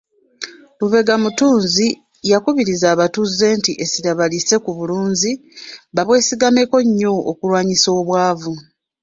Lubega Mutunzi yakubirizza abatuuze nti essira balisse ku bulunzi babwesigameko okulwanyisa obwavu.